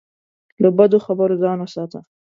له بدو خبرو ځان وساته.